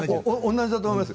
同じだと思います。